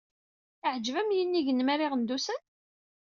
Iɛǧeb-am yinig-inem ar Iɣendusen?